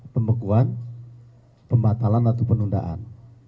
pembekuan pembatalan atau penundaan